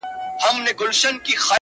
او حقيقت پټيږي،